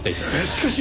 しかし！